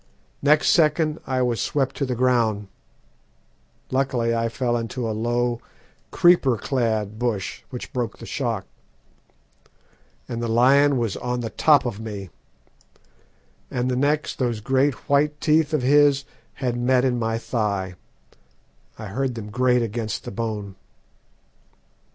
Next second I was swept to the ground (luckily I fell into a low, creeper clad bush, which broke the shock), and the lion was on the top of me, and the next those great white teeth of his had met in my thigh I heard them grate against the bone.